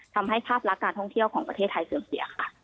ทำให้ภาพลักษณ์การท่องเที่ยวของประเทศไทยเสื่อมเสียค่ะ